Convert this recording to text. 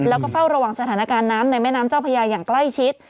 แล้วก็เฝ้าระวังสถานการณ์น้ำในแม่น้ำเจ้าพญาอย่างใกล้ชิด